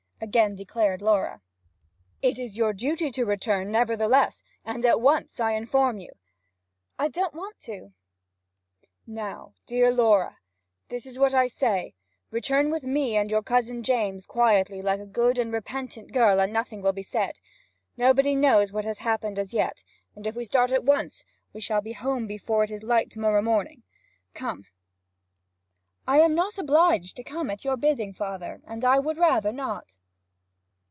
again declared Laura. 'It is your duty to return nevertheless, and at once, I inform you.' 'I don't want to!' 'Now, dear Laura, this is what I say: return with me and your cousin James quietly, like a good and repentant girl, and nothing will be said. Nobody knows what has happened as yet, and if we start at once, we shall be home before it is light to morrow morning. Come.' 'I am not obliged to come at your bidding, father, and I would rather not!'